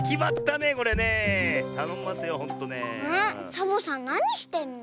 サボさんなにしてるの？